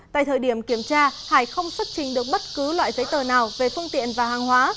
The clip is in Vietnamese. tại thời điểm kiểm tra hải không xuất trình được bất cứ loại giấy tờ nào về phương tiện và hàng hóa